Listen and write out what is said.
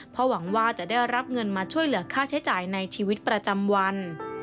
เพราะหวังว่าจะได้รับเงินมาช่วยเหลือค่าใช้จ่ายในชีวิตประจำวัน